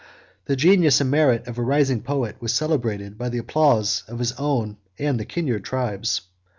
The genius and merit of a rising poet was celebrated by the applause of his own and the kindred tribes.